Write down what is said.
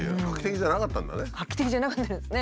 画期的じゃなかったんですね。